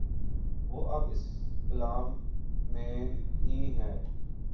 وہ اب اس کلام میں ہی ہے۔